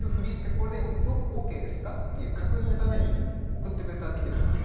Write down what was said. これでＯＫですかっていう確認のために送ってくれたビデオがあって。